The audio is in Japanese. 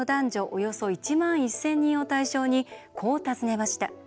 およそ１万１０００人を対象にこう尋ねました。